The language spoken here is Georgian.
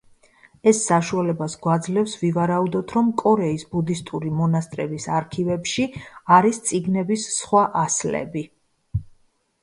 ეს საშუალებას გვაძლევს ვივარაუდოთ, რომ კორეის ბუდისტური მონასტრების არქივებში არის წიგნების სხვა ასლები.